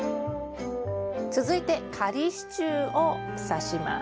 続いて仮支柱をさします。